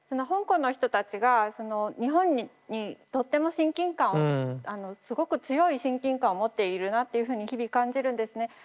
香港の人たちが日本にとっても親近感をすごく強い親近感を持っているなっていうふうに日々感じるんですね。